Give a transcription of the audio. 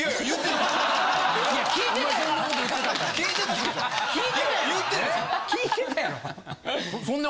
聞いてたやろお前。